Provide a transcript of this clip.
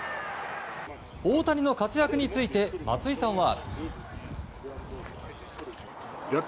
大谷の活躍について松井さんは。